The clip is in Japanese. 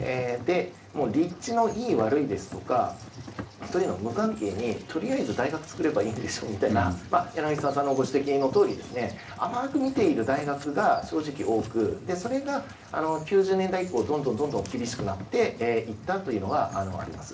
立地のいい悪いというのも無関係に、とりあえず大学を作ればいいんでしょみたいな柳澤さんのご指摘のとおり甘く見ている大学が正直、多くそれが９０年代以降どんどん厳しくなっていったというのがあります。